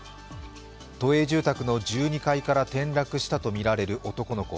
都営住宅の１２階から転落したとみられる男の子。